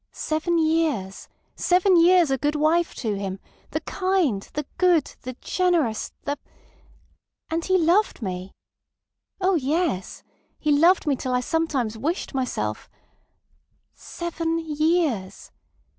Seven years—seven years a good wife to him, the kind, the good, the generous, the—And he loved me. Oh yes. He loved me till I sometimes wished myself—Seven years.